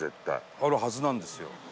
あるはずなんですよ。